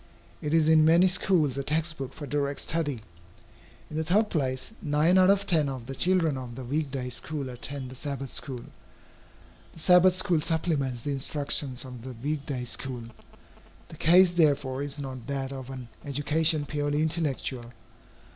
It is in many schools a text book for direct study. In the third place, nine out of ten of the children of the week day school attend the Sabbath school. The Sabbath school supplements the instructions of the week day school. The case, therefore, is not that of an education purely intellectual.